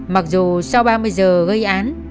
mặc dù sau ba mươi giờ gây án